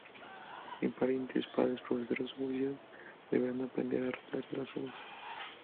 Sin parientes, padres, profesores o policía deberán aprender a arreglárselas solos.